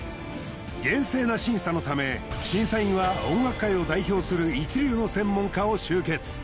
厳正な審査のため審査員は音楽界を代表する一流の専門家を集結